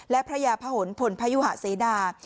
และพระยาพะหนพลพยุหะเสนา